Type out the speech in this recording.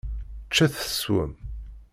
Ččet teswem.